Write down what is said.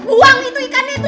buang itu ikannya itu